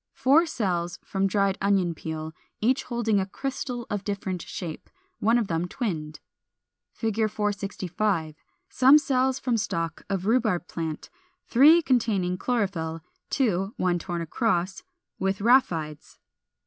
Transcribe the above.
464. Four cells from dried Onion peel, each holding a crystal of different shape, one of them twinned. 465. Some cells from stalk of Rhubarb plant, three containing chlorophyll; two (one torn across) with rhaphides.